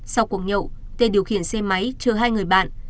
sau cuộc nhậu tê điều khiển xe máy chờ hai người bạn